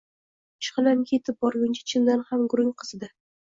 Ishxonamga etib borguncha chindan ham gurung qizidi